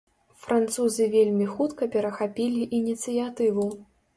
Французы вельмі хутка перахапілі ініцыятыву.